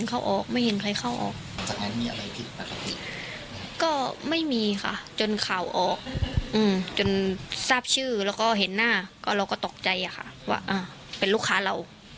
เขากลับมาที่นี่ไหมครับหลังข่าวหรือ